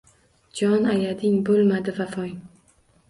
Jon ayading, bo’lmadi vafong.